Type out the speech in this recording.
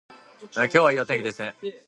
今日はいいお天気ですね